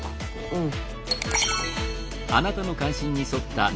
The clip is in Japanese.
うん。